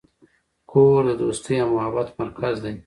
کور د دوستۍ او محبت مرکز دی.